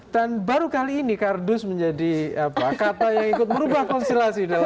dan baru kali ini kardus menjadi kata yang ikut merubah konstelasi